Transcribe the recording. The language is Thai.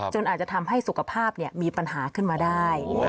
อาจจะทำให้สุขภาพมีปัญหาขึ้นมาได้